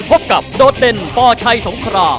พบกับโดดเด่นปชัยสงคราม